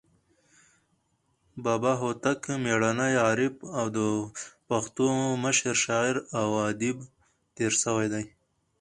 بابا هوتک میړنى، عارف او د پښتو مشر شاعر او ادیب تیر سوى دئ.